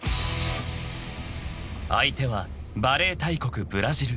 ［相手はバレー大国ブラジル］